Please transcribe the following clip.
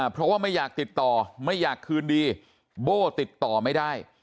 เพราะว่าไม่อยากติดต่อไม่อยากคืนดีโบ้ติดต่อไม่ได้